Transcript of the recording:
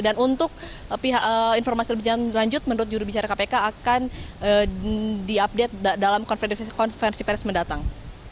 dan untuk informasi berlanjut menurut juru bicara kpk akan diupdate dalam konferensi peres mendatang